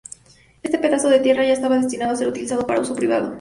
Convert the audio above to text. Este pedazo de tierra ya estaba destinado a ser utilizado para uso privado.